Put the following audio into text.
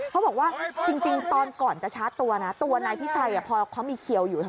เขาบอกว่าจริงตอนก่อนจะชาร์จตัวนะตัวนายพิชัยพอเขามีเขียวอยู่